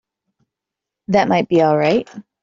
That might be all right.